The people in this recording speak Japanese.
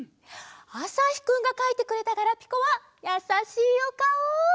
あさひくんがかいてくれたガラピコはやさしいおかお！